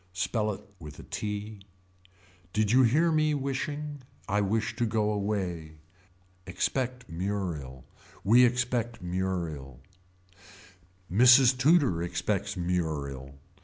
Spell it with a t. Did you hear me wishing. I wish to go away. Expect Muriel. We expect Muriel Mrs. Tudor expects Muriel.